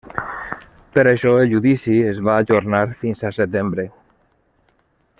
Per això el judici es va ajornar fins a setembre.